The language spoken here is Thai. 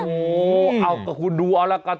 โอ้โฮเอาคุณดูเอาละครับ